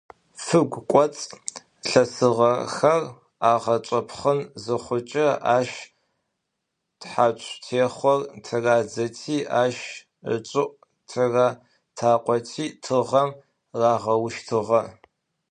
Фыгу, коц лъэсыгъэхэр агъэчъэпхъын зыхъукӏэ, ащ тхьацу техъор тырадзэти ащ ыкӏыӏу тыратакъоти тыгъэм рагъэущтыгъэ.